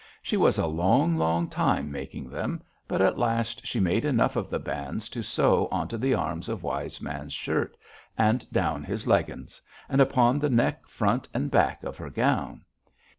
She was a long, long time making them, but at last she made enough of the bands to sew onto the arms of Wise Man's shirt, and down his leggins, and upon the neck front and back of her gown.